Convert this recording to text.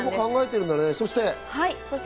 そして？